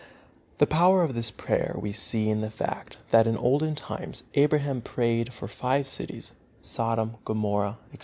The power of this prayer we see in the fact that in olden times Abraham prayed for the five cities, Sodom, Gomorrah, etc.